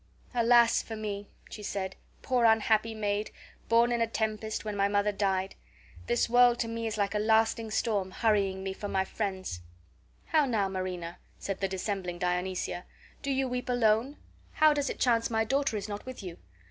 "Alas for met" she said, "poor unhappy maid, born in a tempest, when my mother died. This world to me is like a lasting storm, hurrying me from my friends." "How now, Marina," said the dissembling Dionysia, "do you weep alone? How does it chance my daughter is not with you?